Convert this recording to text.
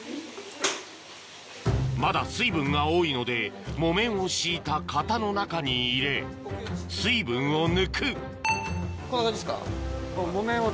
まだ水分が多いので木綿を敷いた型の中に入れ水分を抜くこんな感じっすか？